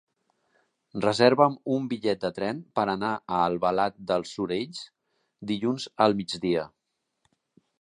Reserva'm un bitllet de tren per anar a Albalat dels Sorells dilluns al migdia.